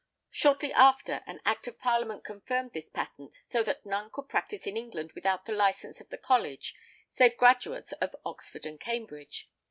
Shortly after an Act of Parliament confirmed this patent so that none could practise in England without the license of the college, save graduates of Oxford and Cambridge.